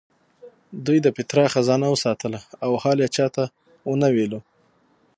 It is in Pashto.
دوی د پیترا خزانه وساتله او حال یې چا ته ونه ویلو.